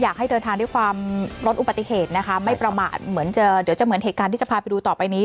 อยากให้เดินทางด้วยความลดอุบัติเหตุนะคะไม่ประมาทเหมือนจะเดี๋ยวจะเหมือนเหตุการณ์ที่จะพาไปดูต่อไปนี้